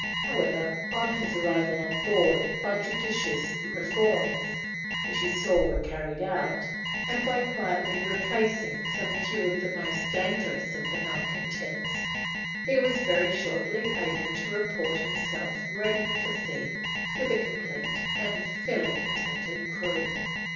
However, on his arrival on board, by judicious reforms, which he saw were carried out, and by quietly replacing some few of the most dangerous of the malcontents, he was very shortly able to report himself ready for sea with a complete and fairly contented crew.